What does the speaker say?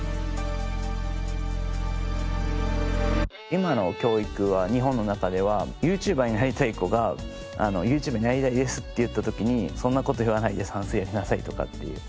今の教育は日本の中ではＹｏｕＴｕｂｅｒになりたい子がＹｏｕＴｕｂｅｒになりたいですって言った時にそんな事言わないで算数やりなさいとかっていう。